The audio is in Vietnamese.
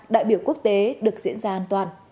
đại biểu quốc tế được diễn ra an toàn